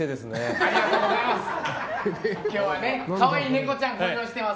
ありがとうございます。